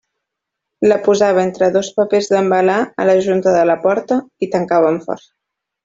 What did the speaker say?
La posava entre dos papers d'embalar a la junta de la porta i tancava amb força.